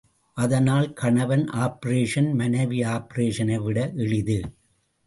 அதனால் கணவன் ஆப்பரேஷன் மனைவி ஆப்பரேஷனை விட எளிது.